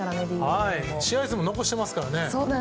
試合数も残してますからね。